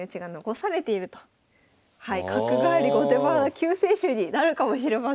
更に更にはい角換わり後手番の救世主になるかもしれません。